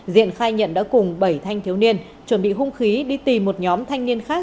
diện khai nhận đã cùng bảy thanh thiếu niên chuẩn bị hung khí đi tìm một nhóm thanh niên khác